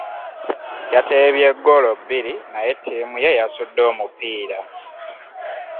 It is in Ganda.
Yateebye ggoolo bbiri naye ttiimu ye yasudde omupiira.